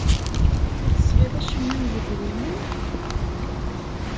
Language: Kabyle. Ur tesɛiḍ acemma n yedrimen?